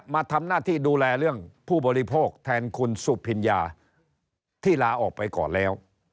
มาทำหน้าที่ดูแลเรื่องผู้บริโภคแทนคุณสุพิญญาที่ลาออกไปก่อนแล้ว